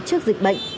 trước dịch bệnh